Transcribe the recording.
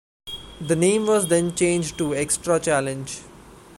The name was then changed to "Extra Challenge".